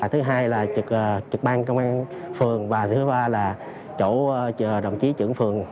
thứ hai là trực trực ban công an phường và thứ ba là chỗ đồng chí trưởng phường